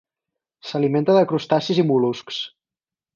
S'alimenta de crustacis i mol·luscs.